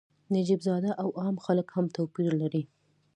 نجیب زاده او عام خلک هم توپیر لري.